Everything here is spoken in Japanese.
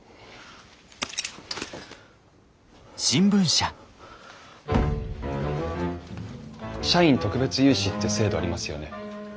社員特別融資って制度ありますよね。